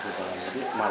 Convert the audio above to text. sudah ada perubahan